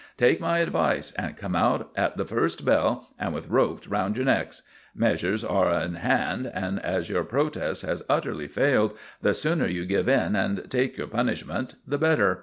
Take my advice, and come out at the first bell, and with ropes round your necks. Measures are in 'and; and as your protest has utterly failed, the sooner you give in and take your punishment the better.